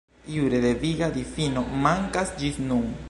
Jure deviga difino mankas ĝis nun.